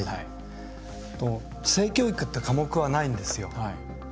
性教育っていう科目はないんですよ。